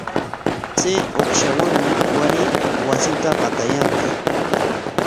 Chay uqashawanmi waray wasita qatayanqa.